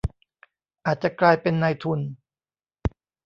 อาจจะกลายเป็นนายทุน